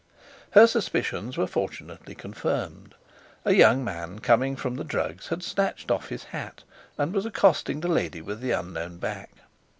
Her suspicions were fortunately confirmed. A young man coming from the Drugs had snatched off his hat, and was accosting the lady with the unknown back.